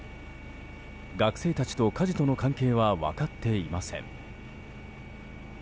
学生たちと火事との関係は分かっていません。